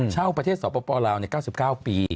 เช่าประเทศสปลาว๙๙ปี